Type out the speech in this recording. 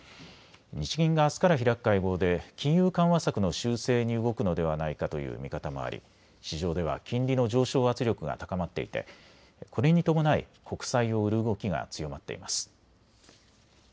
日銀があすから開く会合で金融緩和策の修正に動くのではないかという見方もあり市場では金利の上昇圧力が高まっていてこれに伴い国債を売る動きが強まっています。